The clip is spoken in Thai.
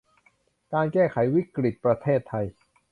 การแก้ไขวิกฤตประเทศไทย